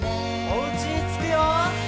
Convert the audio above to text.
おうちにつくよ！